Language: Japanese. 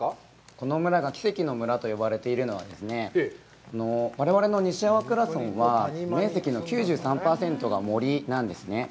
この村が奇跡の村と呼ばれているのですね、我々の西粟倉村は、面積の９３％が森なんですね。